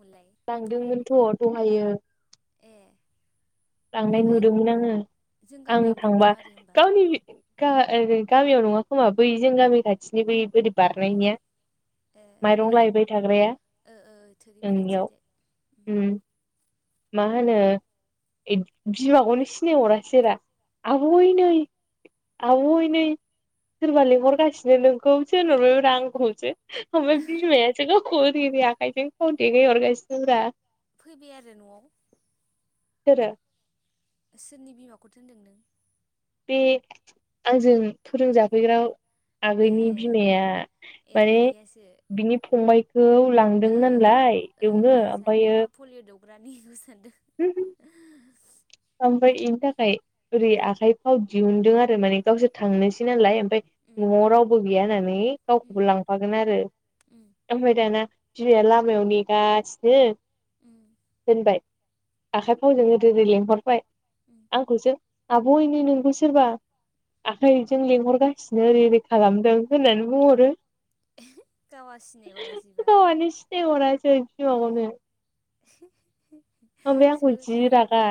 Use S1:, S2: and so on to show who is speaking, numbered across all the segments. S1: मोनलाय
S2: लांदोंमोनथ' दहायो।
S1: ए
S2: लांनाय
S1: ओमफ्राय
S2: नुदोंमोन आङो
S1: जों
S2: आं
S1: गामियावनो
S2: थांबा
S1: दौदों आरो होमबा
S2: गावनि गा ओरै गामियाव नङा खोमा बै जों गामि खाथिनि बै ओरै बारनायनिया।
S1: ए
S2: माइरं
S1: ओइ
S2: लायबाय थाग्राया।
S1: ओ
S2: नोंनियाव
S1: थोरिबारिथिंजाय।
S2: उम मा होनो बिमाखौनो सिनायहराासेरा
S1: अ
S2: आ आओय नै आऔ नै सोरबा लेंहरगासिनो नोंखौ सोरहरबाय रांखौसो ओमफ्राय बिमायासो गावखौ ओरै। आखाइजों फन देगै हरगासिनोरा
S1: फैबाय आरो न'आव।
S2: सोरो?
S1: सोरनि बिमाखौ दोनदों नों?
S2: बे आंजों फोरोंजाफैग्राायाव।
S1: ए
S2: आगैनि बिमाया
S1: ए
S2: माने
S1: इनियासो
S2: बिनि फंबाय। खौ लांदों
S1: ओ ओ
S2: नालाय एवनो ओमफ्रायो
S1: ब्रानि एखौ
S2: हम हम। ओमफ्राय बेनि थाखाय ओरै
S1: उम
S2: आखाइ फाव दिहुनदों आरो माने गावसोर थांनोसै नालाय। ओमफ्राय न'आव रावबो गैया होननानै
S1: उम
S2: गावखौबो लांफागोन आरो
S1: उम
S2: ओमफफ्राय दाना बिमाया लामायाव नेगासिनो।
S1: उम
S2: दोनबाय
S1: उम
S2: आब' ओइनै नोंखौ सोरबा आखाइजों लेंंहरगासिनो ओरै ओरै खालामदों होन्नानै बुंहरो
S1: गावा सिनायहरा जिबा
S2: गावहानो सिनायहरासै सिमांआवनो
S1: [unintelligible]
S2: ओमफ्राय आंखौ
S1: सोर
S2: जि रागा
S1: सानाखैबाय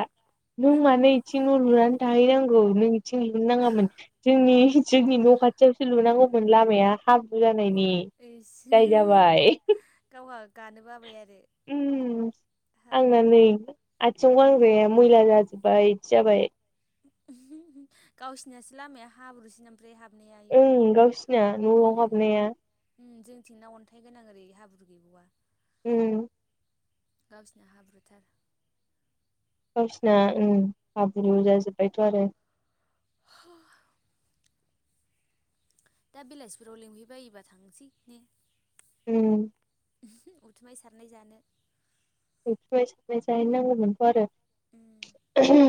S2: नों मानो बिथिं न लुना थाहैनांगौ थिं लुनो नङामोन जोंनि जोंनि न' खाथियावसो लुनांगौ लामाया हाब्रु जा नायनि
S1: ओइस
S2: दाय जाबाय
S1: गावहा गानो बाबाय आरो
S2: उम आंना
S1: हाब्रु
S2: नै आथिं गांग्राया मैला जाजोब्बाय इदि जाबाय
S1: गावसिनासो लामाया हाब्रुसि
S2: ओं गावसिना न'आव हाबनाया
S1: ओ जोंथिंना अन्थाइ गोनां ओरै हाब्रु गैबावा
S2: उम
S1: गावसिनि हाब्रुथार
S2: गावसिना हाब्रु जाजोब्बायथ' आरो
S1: हो दा बिलासिफोराव लिंहैबायोबा थांसै ने
S2: उम
S1: उथुमाय सारनाय जानो
S2: उरथुमाय सारनाय जाहैनांगौमोनथ'
S1: उम
S2: आरो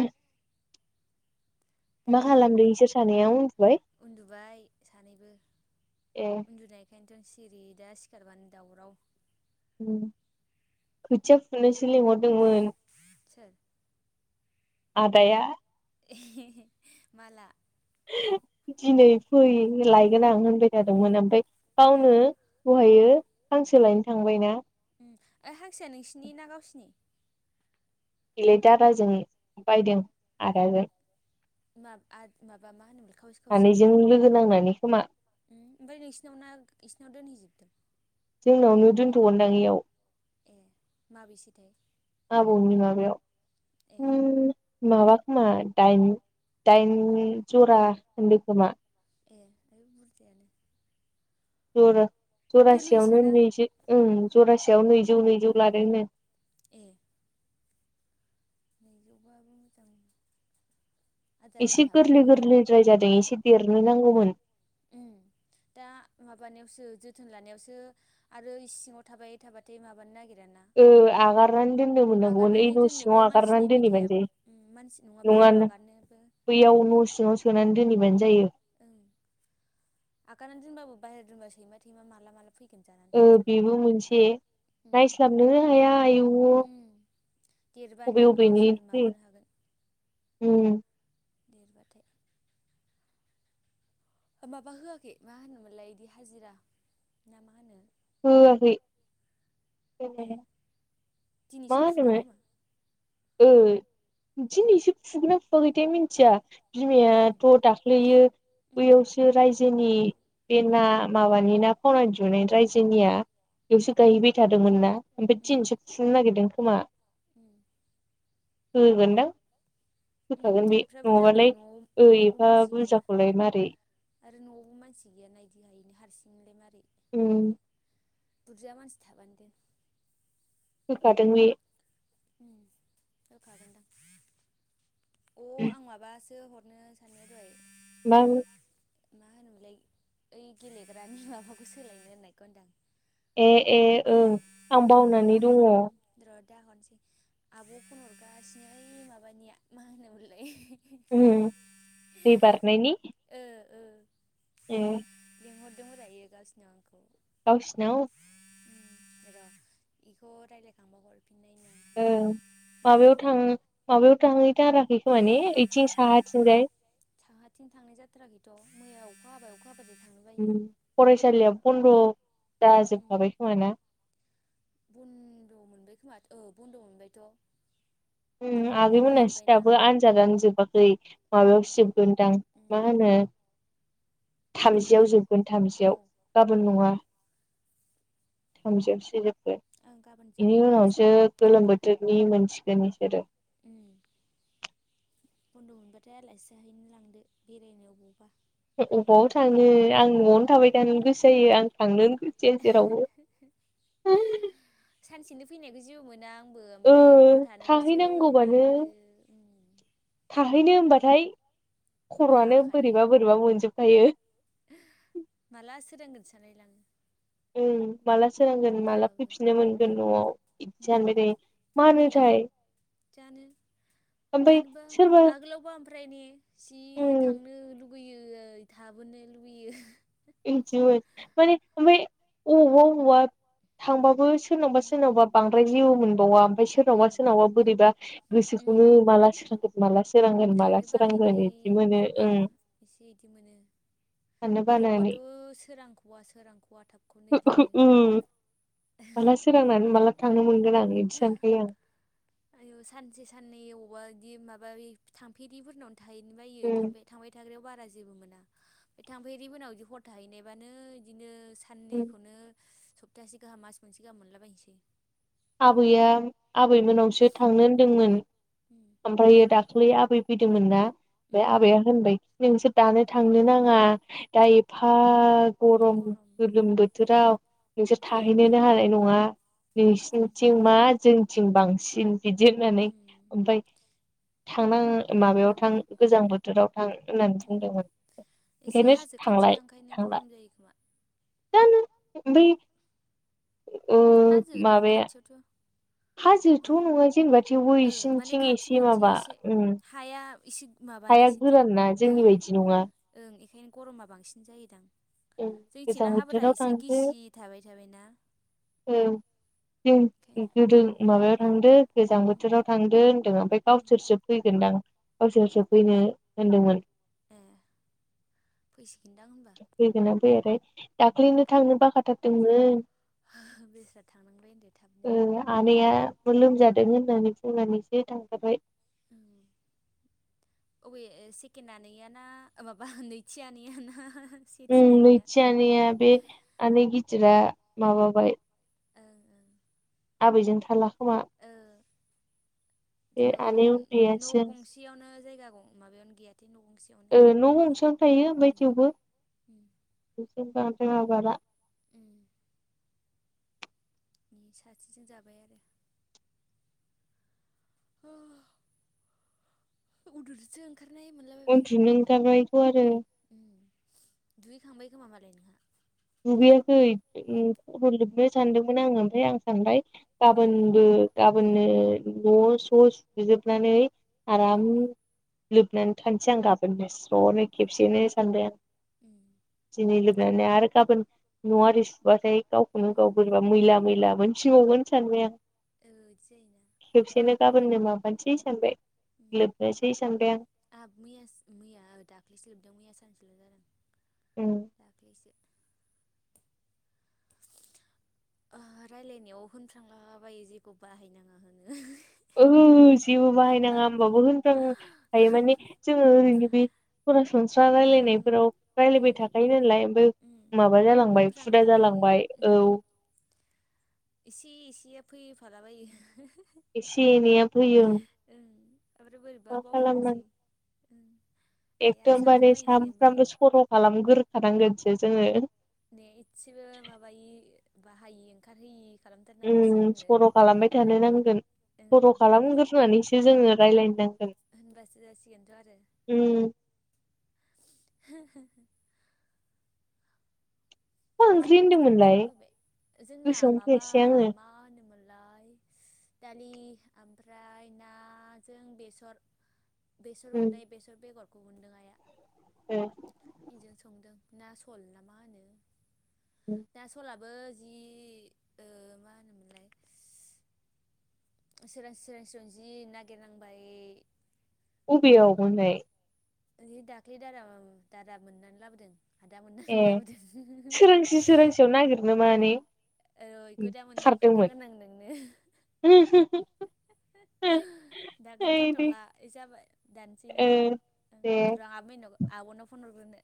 S2: मा
S1: दालाय जेबो
S2: खालामदों इसोर
S1: खामानि
S2: सानैया उन्दुबाय
S1: उन्दुबाय सानैबो
S2: ए
S1: उन्दुनायखायनोथ' सिरि दा सिखारबानो दावराव
S2: ओम खोथिया फुनोसो लिंहरदोंमोन
S1: सोर?
S2: आदाया
S1: एहे माला?
S2: दिनै फै लायगोन आं होनबाय थादोंमोन ओमफाय
S1: ओ
S2: गावनो दहायो हांसो लायनो थांबायना
S1: ओइ हांसो नोंसिनि ना गावसिनि?
S2: बिले दादाजों बायदों आदाजों
S1: माब आर माबा मा होनोमोनलाय खावसे खावसे
S2: सानैजों लोगो नांनानै खोमा
S1: ओमफ्राय नोंसिनावना इसिनाव दोनहैजोबदों?
S2: जोंनावनो दोनथ'गोनदां इयाव
S1: ए माबेसेथाय?
S2: नि म बेयाव
S1: ए
S2: [unintelligible] माबा खोमा दाइन दाइन जरा होनदो खोमा
S1: ए आय बुरजायानो
S2: जरा जरासेयावनो
S1: गोरलैसोना
S2: नैजिओं जरासेयाव नैजौ नैजौ लादोंनो
S1: ए नैजौबाबो मोजां आदार
S2: एसे
S1: होनो हाबानो
S2: गोरलै
S1: देरगोन
S2: गोरलैद्राय जादों एसे देरनो नांगौमोन
S1: माबावसो जोथोन लानायावसो आरो सिङाव थाबाय थाबाथाय माबानो नागिर
S2: ओ आगारनानै दोननो मोननांगौमोन ओइ
S1: आगारनानै
S2: न'
S1: दोननोबो
S2: सिङाव
S1: मानसि
S2: नागारनानै
S1: नायबाय थाया
S2: दोनहैबानो
S1: उम मानसि
S2: जायो
S1: बाहेरायाव
S2: नङा
S1: आगारनोबो
S2: बैयाव न' सिङाव सोना दोनहैबानो जायो
S1: ओं आगनानै दोनबाबो बाहेर दोनब सैमा थैमा माला मालाबा
S2: ओ बेबो मोनसे
S1: उम
S2: नायस्लाबनो हाया आयौ
S1: देरबा देन गावसोर माबानो हागोन
S2: उम
S1: देरबाथाय माबा होआखै मा होनोमोनलाय बिदि हाजिरा ना मा होनो?
S2: होआखै
S1: ए
S2: मा
S1: दिनैसो फुदों
S2: होनोमोन
S1: खोमा?
S2: ओ दिनैसो फुगना फुाखैथाय मिथिया बिमायाथ' दाख्लैयो
S1: उम
S2: बैयावसो रायजोनि बे ना माबानि ना खनानै [unintelligible] दिुनाय रायजोनिया
S1: उम
S2: बेयावसो गायहैबाय थादोंमोनना ओमफ्राय दिनैसो फुनो नागिरदों खोमा।
S1: उम
S2: [inaudible]
S1: उम
S2: होखागोन बे
S1: एफा बुरजाखौलाय
S2: नङाबालाय
S1: न'आव न'आवबो
S2: एफा
S1: मानसि गैया
S2: बुरजाखौलाय मारै
S1: [inaudible]
S2: उम।
S1: बुरजा मानसि थाबानो
S2: होखादों बे।
S1: [inaudible] [inaudible]
S2: [inaudible]
S1: [inaudible]
S2: ए - ए ओं आं बावनानै दङ।
S1: र दा हरनोसै आब' फन हरगासिनो ओ माबानिया मा होनोमोनलै।
S2: उम दै बारनायनि।
S1: ओ ओ
S2: ए।
S1: [inaudible]
S2: गावसिनाव।
S1: [inaudible]
S2: औ। माबायाव
S1: उम
S2: थां माबायाव थांहैथाराखै खोमा माने ओइथिं साहाथिंजाय।
S1: [inaudible]
S2: फरायसालिया बन्द' जाजोबखाबाय खोमाना।
S1: बन्द' मोनबाय खोमा औ बन्द' मोनबायथ'। फर माबा
S2: आगैमोनासो
S1: जोब्बायना
S2: दाबो आनजादानो जोबाखै
S1: सो
S2: माबायावसो जोंगोन दां
S1: उम
S2: [inaudible] थामजियाव
S1: गाबोन
S2: जोबगोन
S1: अ
S2: थामजियाव गाबोन नङा
S1: उम
S2: थामजियावसो जोबगोन।
S1: ओं गाबोन
S2: बेनि
S1: जोबगोन नामा
S2: उनावसो
S1: सानो
S2: गोलोम बोथोरनि मोनसिगोन बिसोरो। [inaudible]
S1: उम बन्द' मोनबाथाय आलासि जाहैनो लांदो बेरायनो अबावहायबा।
S2: अबाव थांनो आं न'आवनो थाबाय थानो गोसो जायो आं थांनो गेजेरावनो [inaudible]
S1: [inaudible] हर
S2: ओं
S1: थानोखौसो
S2: थाहैनांगौबानो
S1: बायो उम
S2: थाहैनो होनबा नाथाय खर'आनो
S1: बाखायो
S2: बोरैबा बोरैबा मोनजोबखायो।
S1: माला [inaudible]
S2: ओं माला
S1: हर
S2: सोरांगोन माला
S1: थाबाबो
S2: फैफिननो मोनगोन न'आव बिदि
S1: उम
S2: सानबाय दे मा होनो। [inaudible]
S1: जानो मानोबा
S2: सोरबा
S1: आगोलावबा ओमफ्राय ने जि
S2: उम
S1: थांनो लुुबैयो थाबोनो लुुबैयो।
S2: बिदिमोन माने ओमफ्राय अबावबा अबावबा थांबाबो। सोरनावबा
S1: उम
S2: सोरनावबा बांद्राय जेबो मोनबावा। ओमफ्राय सोरनावबा
S1: उम
S2: सोरनावबा बोरैबा गोसोखौनो
S1: उम
S2: माला सोरांगोन माला सोरांगोन माला
S1: थानो
S2: सोरांगोन। मोनो ओं।
S1: इसे इदि मोनो।
S2: थानो
S1: आरो
S2: बानानै।
S1: अबावबाथ' सोरांखवा सोरांखवा थाबखौनो इदि मोनो।
S2: माला सोरांनानै माला थांनो मोनगोन आं बिदि सानखायो आं।
S1: आयु सानसे साननै अबावबा बिदि माबा थांफेरिफोरनाव थाहैनो बायो
S2: उम
S1: थांबाय थाग्रायाव बारा जेबो मोना थांफेरिफोरनाव इदि हर थाहैनायबानो बिदिनो।
S2: उम
S1: साननैखौनो सप्ताहासे गाहाम मास मोनसे गाहाम मोनलाबायनोसै।
S2: आबैया आबैमोनावसो थांनो होनदोंमोन। ओमफ्रायो
S1: माला
S2: दाखलै आबै फैदोंमोनना ओमफ्राय आबैया होनबायखि नोंसोर दानो थांनो नाङा दा एफा गरम
S1: ना
S2: गोलोम बोथोराव
S1: ओं उम
S2: नोंसोर थाहैनोनो हानाय नङा।
S1: उम
S2: नोंसिनिथिं मा जोंनिथिं बांसिन बिदि होननानै
S1: उम
S2: थांना माबायाव थां गोजां बोथोराव। थां होननानै
S1: उम
S2: बुंदोंमोन
S1: एसे
S2: ओंखायनो
S1: हाजो खाथि
S2: थांलाय
S1: हांखायनो
S2: थांला।
S1: गरम जायो खोमा
S2: दानो बेै
S1: हाजो न' खाथियावथ'
S2: हाजोथ'
S1: माबा
S2: नङा जेनेबा थेवबो
S1: ओ माने
S2: इसिंथिं
S1: खाथि
S2: एसे
S1: खाथि
S2: माबा
S1: एसे
S2: उम
S1: हाया एसे माबाना
S2: हाया
S1: इसिनिथिं
S2: गोरान ना जोंनि बायदि नङा।
S1: ओंखायनो गरमा बांसिन जायोदां।
S2: औ गोजां
S1: जोंथिंना हाफोरा
S2: बोथोराव
S1: एसे
S2: थांदो
S1: गिसि थाबाय थाबायना।
S2: औ जों
S1: बेखायनो
S2: गोदो माबायाव थांदो। गोजां बोथोराव थांदो होनदों ओमफ्राय
S1: उम उम
S2: गावसोरसो फैगोनदां। गावसोरसो फैनो होनदोंमोन।
S1: ए फैसिगोनदां। होनबा
S2: फैगोना फैयाथाय आरोै दाख्लैनो थांनो बाखाथारदोंमोन।
S1: बेस्रा थांनांबाय होनदो थाबनो
S2: ओ आनैआबो लोम जादों होननानै बुंनानैसो थांजाबाय।
S1: उम अबे सेकेणड आनैयाना माबा नैथियनैय ना सेथि
S2: उम
S1: आनैया ओं
S2: नैथि आनैया बे आनै गिदिरा माबाबाय।
S1: ओं ओ
S2: आबैजों थाला खोमा। बे
S1: थेव
S2: आनै
S1: न'
S2: उन्दैयासो
S1: गंसेयावनो जायगा गं माबायावनो गैया
S2: ओं न' गंसेयावनो थायो ओमफ्राय
S1: उम
S2: थेवबो
S1: उम
S2: बारला आबादा।
S1: उम सासेजों जाबाय आरो। उह उन्दुनोसां
S2: उन्दुनो ओंखारबायथ' आरो।
S1: माबालाय नोंहा
S2: दुगैयाखै उम खर' लोबनो सानदोंमोन आङो ओमफ्राय आं सानबाय
S1: उम उम
S2: गाबोनबो गाबोननो न' स'
S1: ओ इदि
S2: सुजोबनानै आराम
S1: जायोना
S2: लोबनानै थानोसै आं गाबोननो स्र'नो खेबसेयनो सानबाय आं। दिनै लुबनानै आरो गाबोन न'वारि सुबाथाय गावखौनो
S1: उम
S2: गाव बोरैबा मैला- मैला मोनफिनबावगोन सानबाय आं। खेबसेनो गाबोननो माबानोसे सानबाय। लोबनोसै सानबाय आं
S1: आहाबो मैयास मैया दाख्लैसो लोबदों मैया सानसे
S2: उम
S1: दाख्लैसो ओ रायलायनायाव होनफ्लांलाबायो जेखौ बाहायनाङा होनो।
S2: ओहो जेबो बाहायनाङा होमबाबो होनफ्लांखायो माने जोङो ओरैनो बे सरासनस्रा
S1: ओं
S2: रायलायनायफोराव
S1: उम
S2: रायलायबाय थाखायो नालाय ओमफ्राय
S1: उम
S2: माबा जालांबाय हुदा
S1: होनफ्रांलाबायो
S2: जालांबाय
S1: ओ
S2: औ
S1: एसे एसेया फै फालाबायो
S2: एसे - एनैया फैयो।
S1: आरो बोरैबा बावफ्रांसै। ओं आइया
S2: एखदमबारे
S1: सानफ्रांलायनोसै ओमफ्राय
S2: सानफ्रामबो सर' खालामग्रोखानांगोनसो जोङो।
S1: ने इसेबो माबायो बाहायि ओंखारहोयि खालामथारनांगोनसो
S2: उम
S1: जोङो
S2: सर' खालामबाय थानो नांगोन।
S1: ओं
S2: सर'
S1: होनबासो
S2: खालामगोरोनानैसो जोङो रायलायनांगोन।
S1: होनबासो जासिगोनथ' आरो
S2: [inaudible]
S1: हो हो
S2: मा ओंख्रि
S1: फरायसालियावसो थांफिनो
S2: होनदोंमोनलाय
S1: लुबैबाय जोंना
S2: गोसोआवनो
S1: माबा
S2: फैयासै आङो
S1: मा होनोमोनलाय दा दालि ओमफ्राय नाजों बेसर बेसर
S2: उम
S1: उनाय बेसर बेगर
S2: ओ
S1: बेजों संदों ना सल नामा होनो ना सलाबो जि ओ मा होनोमोनलाय सोरांसि सोरांसि जि नागिरनांबाय
S2: बेयाव मोनाय
S1: दहै दाख्लै दा दा मोननानै लाबोदों आदा
S2: ए
S1: मोननानै लाबोदों
S2: सोरांसि सोरांसियाव नागिरनो माने
S1: औ बेखौ दा मोनसेयाव
S2: सारदोंमोन
S1: खोन्थागोन आं नोंनो
S2: ओम हम हम
S1: हो दा खोन्थाथला जाबाय दानसै
S2: ओ
S1: नामा
S2: दे
S1: र आं आबमेनुनाव आबनाव फनहरग्रोनो